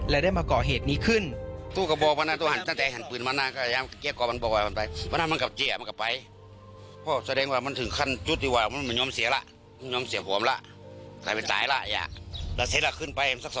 และได้มาก่อเหตุนี้ขึ้น